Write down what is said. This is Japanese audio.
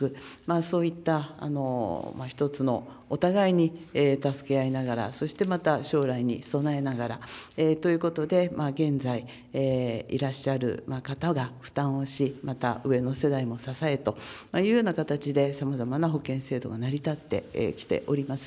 そういった一つの、お互いに助け合いながら、そしてまた将来に備えながらということで、現在いらっしゃる方が負担をし、また上の世代も支えというような形で、さまざまな保険制度が成り立ってきております。